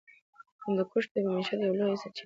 هندوکش د معیشت یوه لویه سرچینه ده.